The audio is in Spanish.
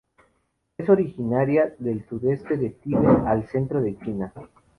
Es originaria del sudeste de Tibet al centro de China.